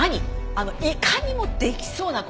あのいかにも出来そうな子。